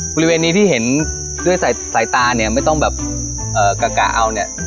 บริเวณนี้ที่เห็นด้วยสายตาเนี่ยไม่ต้องแบบเอ่อกะเอาเนี่ย